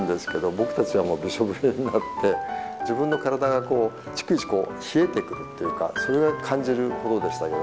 僕たちはびしょびしょになって自分の体が逐一冷えてくるというかそれが感じるほどでしたけど。